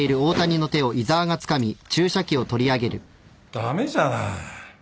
駄目じゃない。